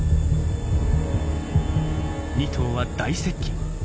２頭は大接近。